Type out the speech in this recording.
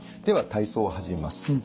では体操を始めます。